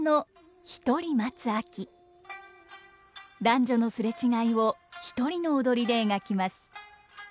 男女の擦れ違いを一人の踊りで描きます。